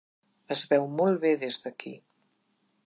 Es veu molt bé des d'aquí.